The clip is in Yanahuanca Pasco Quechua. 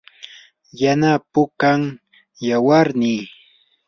yana pukam yawarnii.